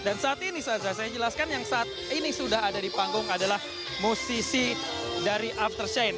dan saat ini sajah saya jelaskan yang saat ini sudah ada di panggung adalah musisi dari aftershade